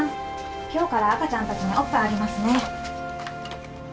今日から赤ちゃんたちにおっぱいあげますね